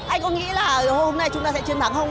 anh có nghĩ là hôm nay chúng ta sẽ chiến thắng không